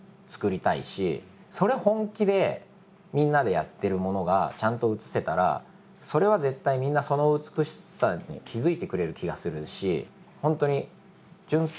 それ本気でみんなでやってるものがちゃんと映せたらそれは絶対みんなその美しさに気付いてくれる気がするし。